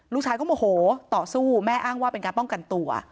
ลูกชายก็โมโหต่อสู้แม่อ้างว่าเป็นการป้องกันตัว